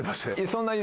そんな。